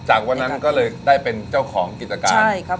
จากวันนั้นก็เลยได้เป็นเจ้าของกิจการ